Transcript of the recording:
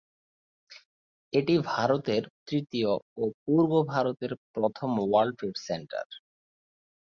এটি ভারতের তৃতীয় ও পূর্ব ভারত এর প্রথম ওয়ার্ল্ড ট্রেড সেন্টার।